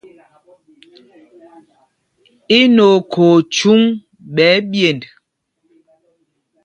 Í nɛ okhǒ o chúŋ phūs ɓɛ̌ ɛ́ɓyend ?